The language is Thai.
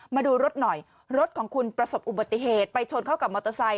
มาดูรถหน่อยรถของคุณประสบอุบัติเหตุไปชนเข้ากับมอเตอร์ไซค